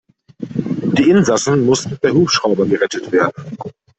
Die Insassen mussten per Hubschrauber gerettet werden.